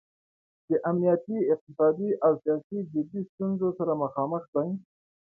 د امنیتي، اقتصادي او سیاسي جدي ستونځو سره مخامخ دی.